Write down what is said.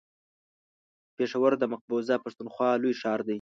پېښور د مقبوضه پښتونخوا لوی ښار دی.